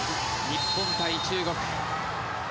日本対中国。